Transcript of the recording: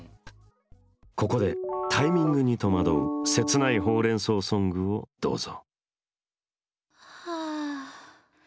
ここでタイミングにとまどう切ないほうれんそうソングをどうぞ。